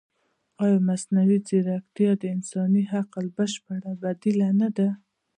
ایا مصنوعي ځیرکتیا د انساني عقل بشپړه بدیله نه ده؟